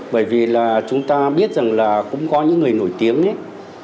bởi vì là chúng ta biết rằng là cũng có những người nổi tiếng nhất